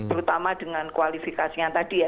terutama dengan kualifikasi yang tadi ya